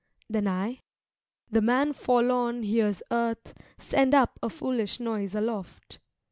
Then I, 'The man forlorn Hears Earth send up a foolish noise aloft.'